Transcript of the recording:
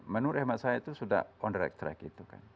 menurut hemat saya itu sudah on the right track itu kan